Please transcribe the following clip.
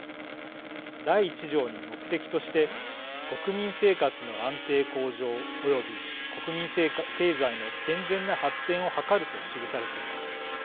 第１条に目的として「国民生活の安定向上及び国民経済の健全な発展を図る」と記されています。